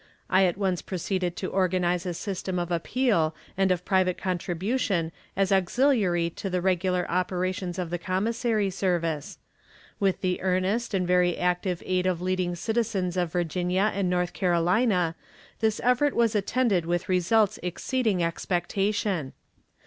... I at once proceeded to organize a system of appeal and of private contribution as auxiliary to the regular operations of the commissary service. With the earnest and very active aid of leading citizens of Virginia and North Carolina, this effort was attended with results exceeding expectation.